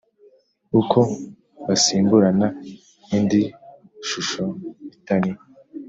Uko basimburana indi shusho itari